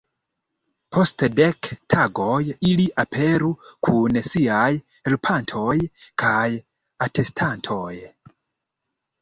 Post dek tagoj ili aperu kun siaj helpantoj kaj atestantoj!